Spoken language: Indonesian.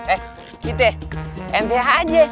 eh gitu ya nth aja